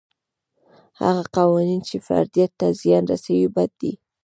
هغه قوانین چې فردیت ته زیان رسوي بد دي.